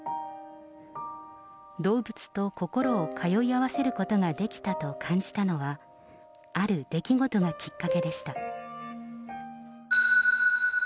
動物と心を通い合わせることができたと感じたのは、ある出来事がきっかけでした。